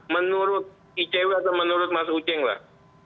menurut icw atau menurut mas uceng lah